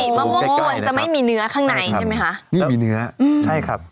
มะม่วงกวนจะไม่มีเนื้อข้างในใช่ไหมคะนี่มีเนื้ออืมใช่ครับ